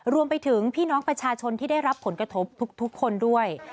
รวมไปถึงพี่น้องประชาชนที่ได้รับผลกระทบทุกคนด้วย